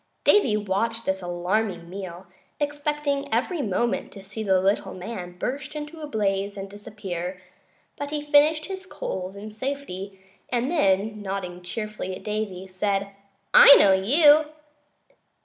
Davy watched this alarming meal, expecting every moment to see the little man burst into a blaze and disappear; but he finished his coals in safety, and then, nodding cheerfully at Davy, said: "I know you!"